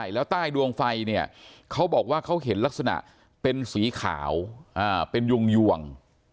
แล้วใต้ดวงไฟเนี่ยเขาบอกว่าเขาเห็นลักษณะเป็นสีขาวเป็นยวง